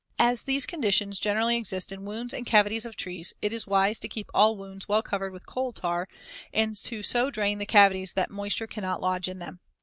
As these conditions generally exist in wounds and cavities of trees, it is wise to keep all wounds well covered with coal tar and to so drain the cavities that moisture cannot lodge in them.